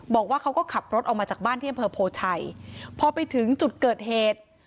บอกว่าเขาก็ขับรถออกมาจากบ้านที่อำเภอโพชัยพอไปถึงจุดเกิดเหตุ